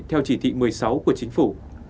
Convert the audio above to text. theo chỉ thị một mươi sáu của chính phủ